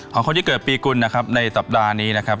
ของคนที่เกิดปีกุลนะครับในสัปดาห์นี้นะครับ